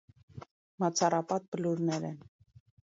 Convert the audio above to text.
Մացառապատ բլուրներ են։